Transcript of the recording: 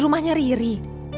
di rumahnya riri